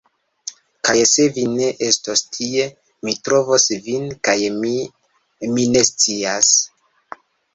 Kaj se vi ne estos tie, mi trovos vin kaj mi… mi ne scias.